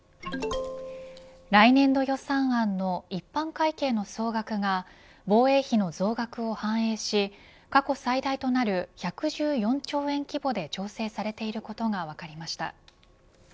来年度予算案の一般会計の総額が防衛費の増額を反映し過去最大となる１１４兆円規模で調整されていることが分かりました。